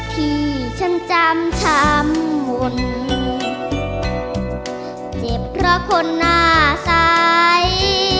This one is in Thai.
ที่ฉันจำชามหมดเจ็บเพราะคนหน้าสาย